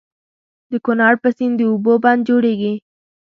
د کنړ په سيند د اوبو بند جوړيږي.